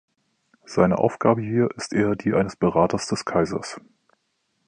Seine Aufgabe hier ist eher die eines Beraters des Kaisers.